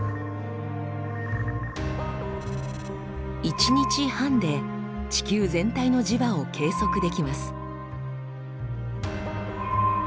一日半で地球全体の磁場を計測できます。